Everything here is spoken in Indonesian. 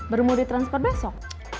berusaha di transfer besok